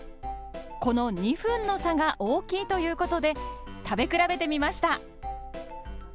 この２分の差が大きいということで食べ比べてみました。